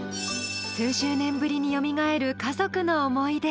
数十年ぶりによみがえる家族の思い出。